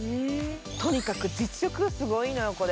とにかく実力がすごいのよ、これ。